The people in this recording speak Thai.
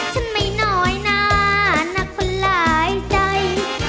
ฉันไม่น้อยหน้านักคนหลายใจ